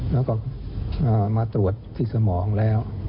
แล้วก็มาตรวจที่สมองแล้ว